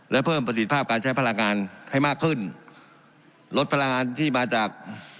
และเพิ่มประสิทธิภาพการใช้พลังงานให้มากขึ้นลดพลังงานที่มาจาก